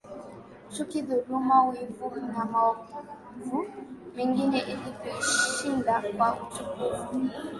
chuki dhuluma wivu na maovu mengine ili kuishinda kwa utukufu